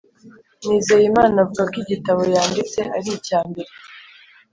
nizeyimana avuga ko igitabo yanditse ari icya mbere